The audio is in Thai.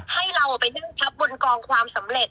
ให้เราไปนั่งทับบนกองความสำเร็จ